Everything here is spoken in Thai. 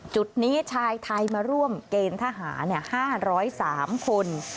จุดนี้ชายไทยมาร่วมเกณฑ์ทหาร๕๐๓คน